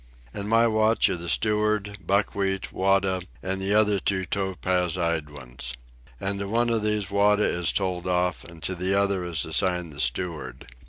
In my watch are the steward, Buckwheat, Wada, and the other two topaz eyed ones. And to one of them Wada is told off; and to the other is assigned the steward.